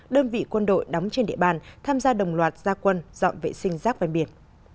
đơn vị quân đội đóng trên địa bàn tham gia đồng loạt gia quân dọn vệ sinh rác ven biển